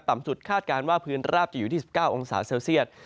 สุดคาดการณ์ว่าพื้นราบจะอยู่ที่๑๙องศาเซลเซียต